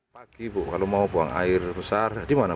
tidak ada wc di rumah